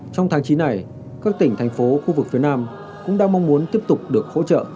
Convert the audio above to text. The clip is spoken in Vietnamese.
trong tháng chín này các tỉnh thành phố khu vực phía nam cũng đang mong muốn tiếp tục được hỗ trợ